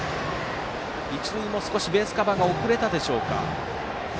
一塁も少しベースカバーが遅れたでしょうか。